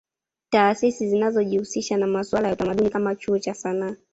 Taasisi zinazojihusisha na masuala ya utamadni kama Chuo cha Sanaa